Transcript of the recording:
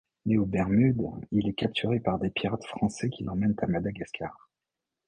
Né aux Bermudes, il est capturé par des pirates français qui l'emmènent à Madagascar.